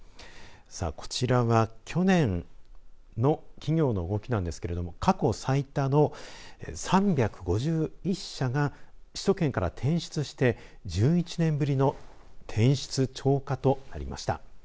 こちらは、去年の企業の動きなんですけれども過去最多の３５１社が首都圏から転出して１１年ぶりの、転出超過となりました。